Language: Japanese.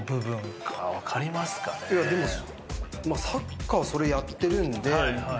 サッカーそりゃやってるんで。